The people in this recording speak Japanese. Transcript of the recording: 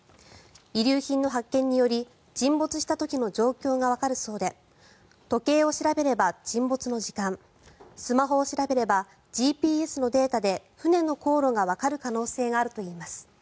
遺留品の発見により沈没した時の状況がわかるそうで時計を調べれば沈没の時間スマホを調べればＧＰＳのデータで船の航路がわかる可能性があるといいます。